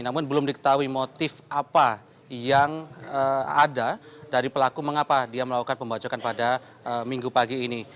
namun belum diketahui motif apa yang ada dari pelaku mengapa dia melakukan pembacokan pada minggu pagi ini